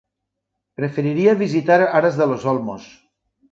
Preferiria visitar Aras de los Olmos.